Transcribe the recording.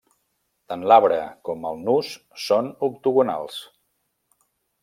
Tant l'arbre com el nus són octogonals.